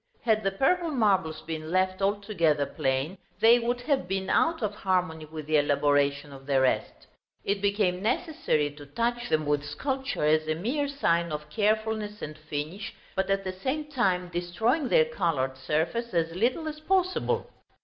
Had the purple marbles been left altogether plain, they would have been out of harmony with the elaboration of the rest. It became necessary to touch them with sculpture as a mere sign of carefulness and finish, but at the same time destroying their colored surface as little as possible.